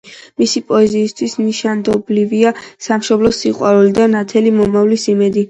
მისი პოეზიისათვის ნიშანდობლივია სამშობლოს სიყვარული და ნათელი მომავლის იმედი.